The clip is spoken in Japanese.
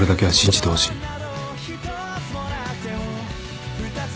はい。